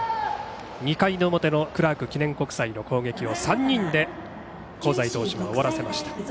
２回の表のクラーク記念国際の攻撃を３人で香西投手が終わらせました。